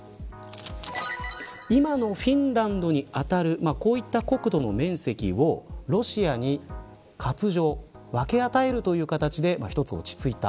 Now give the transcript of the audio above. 今のフィンランドにあたるこういった国土の面積をロシアに割譲分け与える形で一つ落ち着いた。